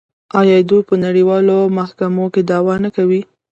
آیا دوی په نړیوالو محکمو کې دعوا نه کوي؟